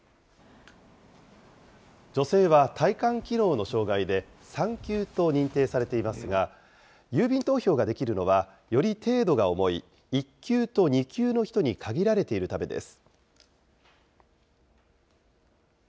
女性は体幹機能の障害で３級と認定されていますが、郵便投票ができるのは、より程度が重い１級と２級の人に限られているためです。